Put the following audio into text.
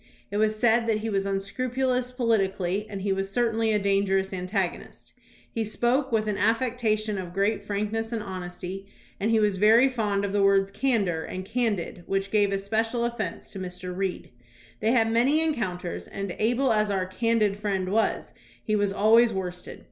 It was said that he was un scrupulous politically, and he was certainly a danger ous antagonist. He spoke with an affectation of great frankness and honesty, and he was very fond of the words "candor" and "candid," which gave especial offence to Mr. Reed. They had many encounters, and, able as our "candid" friend was, he was always worst ed.